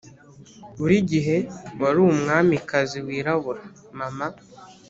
buri gihe wari umwamikazi wirabura, mama